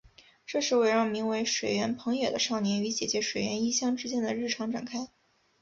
这是围绕名为水原朋也的少年与姐姐水原一香之间的日常展开。